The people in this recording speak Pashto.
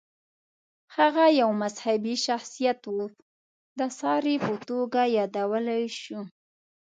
هغه یو مذهبي شخصیت و، د ساري په توګه یادولی شو.